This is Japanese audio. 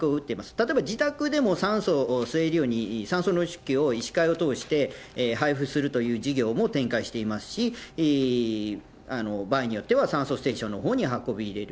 例えば自宅でも酸素を吸えるように、酸素濃縮器を医師会を通して配付するという事業も展開していますし、場合によっては酸素ステーションのほうに運び入れる。